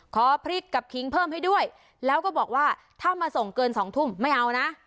ขอพริกกับคิงเพิ่มให้ด้วยแล้วก็บอกว่าถ้ามาส่งเกิน๒ทุ่มไม่เอานะ